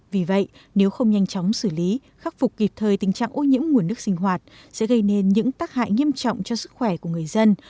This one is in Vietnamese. vì vậy nếu không nhanh chóng xử lý khắc phục kịp thời tình trạng ô nhiễm nguồn nước sinh hoạt sẽ gây nên những tác hại nghiêm trọng cho sức khỏe của người dân